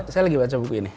saya lagi baca buku ini